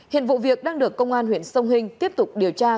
hiện vụ việc đang được công an huyện sông hình tiếp tục điều tra